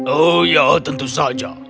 oh ya tentu saja